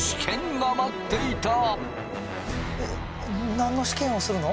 何の試験をするの？